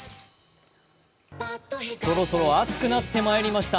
そろそろ暑くなってまいりました。